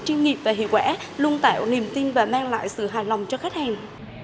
chuyên nghiệp và hiệu quả luôn tạo niềm tin và mang lại sự hài lòng cho khách hàng